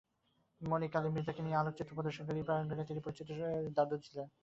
মমিন আলী মৃধাকে নিয়ে আলোকচিত্র প্রদর্শনীচারুকলা প্রাঙ্গণে তিনি পরিচিত ছিলেন দাদু হিসেবে।